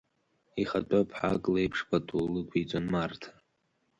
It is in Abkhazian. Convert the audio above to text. Ихатәы ԥҳак леиԥш, патулықәиҵонМарҭа.